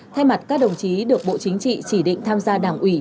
thay mặt các đồng chí được bộ chính trị chỉ định tham gia đảng ủy